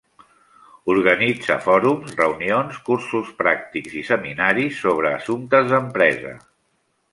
Organitza fòrums, reunions, cursos pràctics i seminaris sobre assumptes d'empresa.